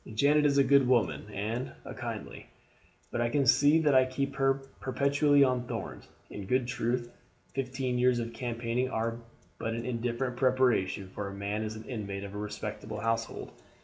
Janet is a good woman and a kindly, but I can see that I keep her perpetually on thorns. In good truth, fifteen years of campaigning are but an indifferent preparation for a man as an inmate of a respectable household.